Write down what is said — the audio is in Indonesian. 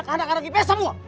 ke anak anak kipes semua